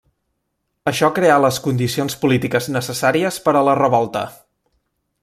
Això creà les condicions polítiques necessàries per a la revolta.